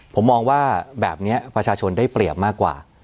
ผมมองว่าแบบนี้ประชาชนได้เปรียบมากกว่า